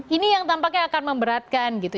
ini yang tampaknya akan memberatkan gitu